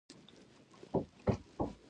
زغال د افغانستان د صنعت لپاره مواد برابروي.